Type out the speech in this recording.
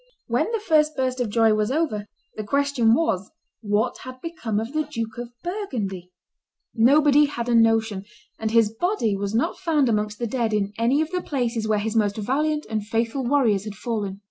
When the first burst of joy was over, the question was, what had become of the Duke of Burgundy; nobody had a notion; and his body was not found amongst the dead in any of the places where his most valiant and faithful warriors had fallen.